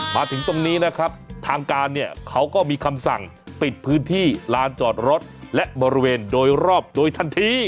มาถึงตรงนี้นะครับทางการเนี่ยเขาก็มีคำสั่งปิดพื้นที่ลานจอดรถและบริเวณโดยรอบโดยทันที